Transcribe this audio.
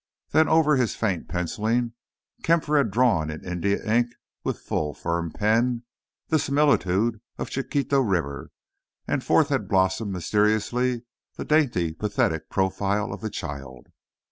Then, over his faint pencilling, Kampfer had drawn in India ink with a full, firm pen the similitude of Chiquito River, and forth had blossomed mysteriously the dainty, pathetic profile of the child.